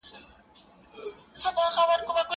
o خواري دي سي مکاري، چي هم کار وکي هم ژاړي٫